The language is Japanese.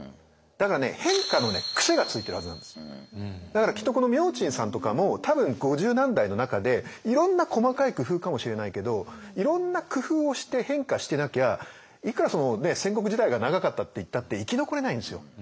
だからきっとこの明珍さんとかも多分五十何代の中でいろんな細かい工夫かもしれないけどいろんな工夫をして変化してなきゃいくら戦国時代が長かったっていったって生き残れないんですよ。